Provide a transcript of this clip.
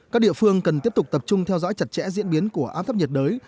các địa phương cần tiếp tục tập trung theo dõi chặt chẽ diễn biến của áp thấp nhiệt đới